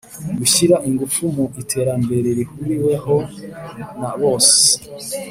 Gushyira ingufu mu iterambere rihuriweho na bose